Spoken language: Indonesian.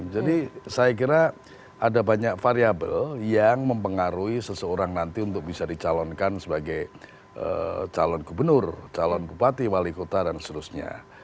jadi saya kira ada banyak variable yang mempengaruhi seseorang nanti untuk bisa dicalonkan sebagai calon gubernur calon bupati wali kota dan seterusnya